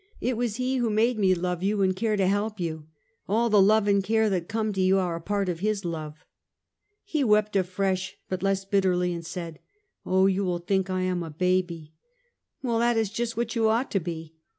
It was he who made me love you and care to help you. All the love and care that come to you are a part of his love." " He wept afresh but less bitterly, and said: " Oh you will think I am a baby !"" "Well! That is just what you ought to be.